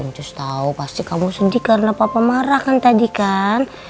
terus tahu pasti kamu sedih karena papa marah kan tadi kan